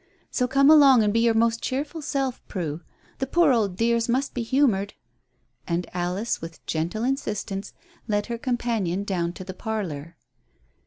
So come along and be your most cheerful self, Prue. The poor old dears must be humoured." And Alice with gentle insistence led her companion down to the parlour.